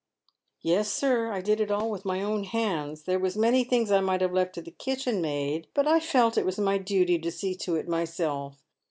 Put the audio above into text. " Yes, sir, I did it all with my own hands. There was many things I might have left to the kitchen maid, but I felt it was my duty to see to it myself.